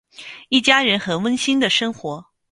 一家人很温馨的生活。